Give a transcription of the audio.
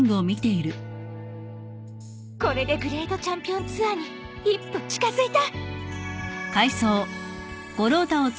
これでグレートチャンピオンツアーに一歩近づいた！